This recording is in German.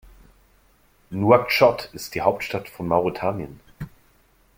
Nouakchott ist die Hauptstadt von Mauretanien.